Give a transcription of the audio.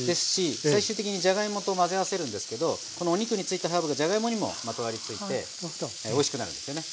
最終的にじゃがいもと混ぜ合わせるんですけどこのお肉についたハーブがじゃがいもにもまとわりついておいしくなるんですよね。